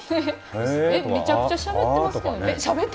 めちゃくちゃしゃべってますけどね。